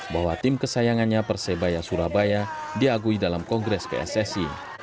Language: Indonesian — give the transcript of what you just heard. bahwa tim kesayangannya persebaya surabaya diakui dalam kongres pssi